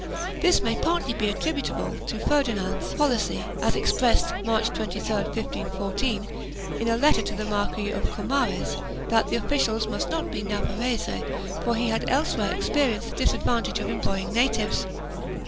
This may partly be attributable to Ferdinand's policy, as expressed, March 23, 1514, in a letter to the Marquis of Comares, that the officials must not be Navarrese, for he had elsewhere experienced the disadvantage of employing natives.